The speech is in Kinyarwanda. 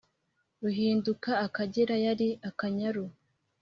Ruhinduka Akagera yari akanyaru